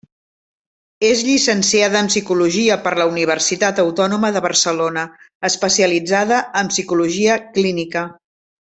És llicenciada en psicologia per la Universitat Autònoma de Barcelona, especialitzada en Psicologia Clínica.